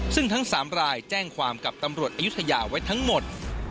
ซึ่งทั้ง๓รายแจ้งความกับตำรวจอายุทยาไว้ทั้งหมด